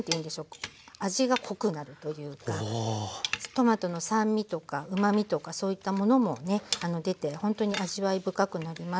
トマトの酸味とかうまみとかそういったものもね出てほんとに味わい深くなります。